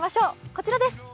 こちらです。